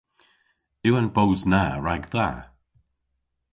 Yw an boos na ragdha?